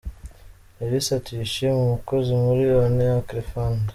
Elissa Tuyishime, Umukozi muri One Acre Fund.